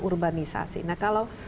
urbanisasi nah kalau